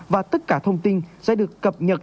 và tất cả thông tin sẽ được cập nhật